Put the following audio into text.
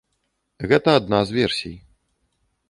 Гэта адна з версій.